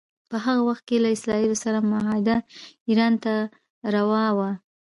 په هغه وخت کې له اسراییلو سره معاهده ایران ته روا وه.